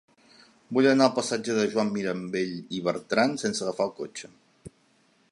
Vull anar al passatge de Joan Mirambell i Bertran sense agafar el cotxe.